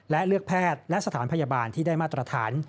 และเลือกแพทย์และสถานพยาบาลที่ได้มาตรฐาน